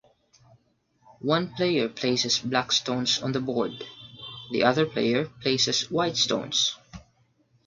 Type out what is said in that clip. One player places black stones on the board; the other player places white stones.